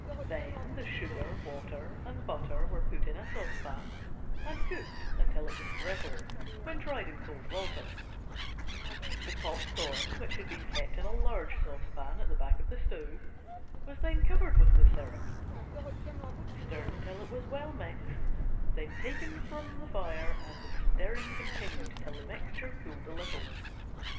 Then the sugar, water, and butter were put in a saucepan and cooked until it was brittle, when tried in cold water; the popped corn, which had been kept in a large saucepan at back of the stove, was then covered with the syrup, stirred until it was well mixed, then taken from fire and the stirring continued till the mixture cooled a little.